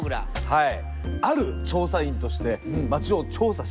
はい。